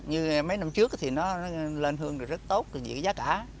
như mấy năm trước thì nó lên hương rất tốt vì giá cả